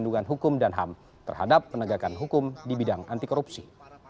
kandungan hukum dan ham terhadap penegakan hukum di bidang anti korupsi